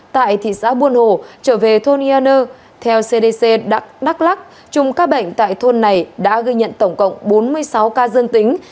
tại thị xã buôn hồ trở về thôn ia nơ theo cdc đắk lắc chung các bệnh tại thôn này đã gây nhận tổng cộng bốn mươi sáu ca dân tính